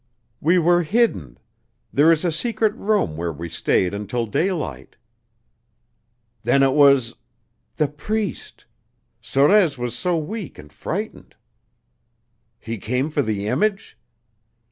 "We were hidden. There is a secret room where we stayed until daylight." "Then it was " "The priest. Sorez was so weak and frightened." "He came for the image?"